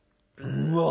うわ！